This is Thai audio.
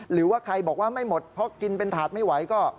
หรือว่าใครบอกว่าไม่หมดเพราะกินเป็นถาดไม่ไหวก็